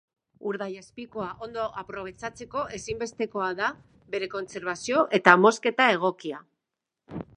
Urdaiazpikoa ondo aprobetxatzeko ezinbestekoa da bere kontserbazio eta mozketa egokia.